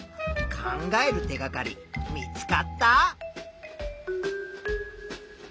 考える手がかり見つかった？